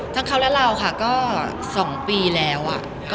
ทั้งเขาและเราค่ะก็๒ปีแล้วอะ